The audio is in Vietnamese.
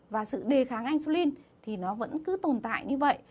và sự đề kháng insulin thì nó vẫn cứ tồn tại như vậy